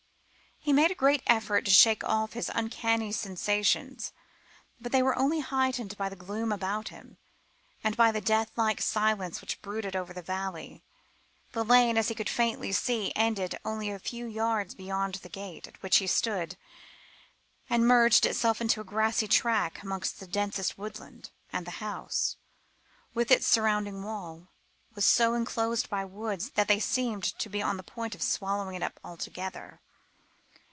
He made a great effort to shake off his uncanny sensations, but they were only heightened by the gloom about him, and by the death like silence which brooded over the valley. The lane, as he could faintly see, ended only a few yards beyond the gate at which he stood, and merged itself into a grassy track amongst the densest woodland; and the house, with its surrounding wall, was so enclosed by woods, that they seemed to be on the point of swallowing it up altogether.